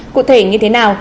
cụ thể như thế nào